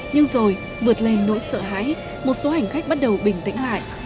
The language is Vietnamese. nhưng rồi vượt lên nỗi sợ hãi một số hành khách bắt đầu bình tĩnh lại